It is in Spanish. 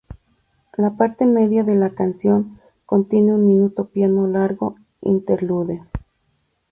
La parte media de la canción contiene un minuto piano largo interlude..